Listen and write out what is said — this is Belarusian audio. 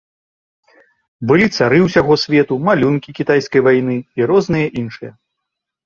Былі цары ўсяго свету, малюнкі кітайскай вайны і розныя іншыя.